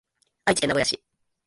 愛知県名古屋市